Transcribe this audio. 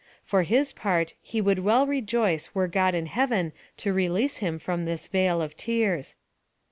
For his part he would well rejoice were God in heaven to release him from this vale of tears.